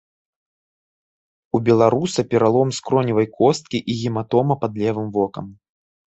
У беларуса пералом скроневай косткі і гематома пад левым вокам.